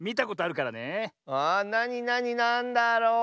あなになになんだろう？